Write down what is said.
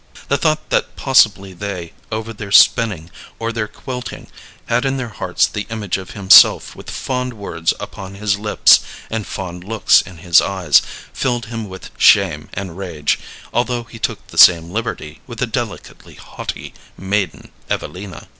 The thought that possibly they, over their spinning or their quilting, had in their hearts the image of himself with fond words upon his lips and fond looks in his eyes, filled him with shame and rage, although he took the same liberty with the delicately haughty maiden Evelina.